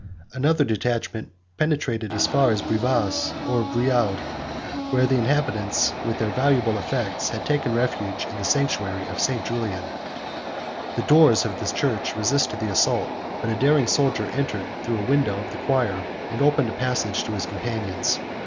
Another detachment penetrated as far as Brivas, or Brioude, where the inhabitants, with their valuable effects, had taken refuge in the sanctuary of St. Julian. The doors of the church resisted the assault; but a daring soldier entered through a window of the choir, and opened a passage to his companions.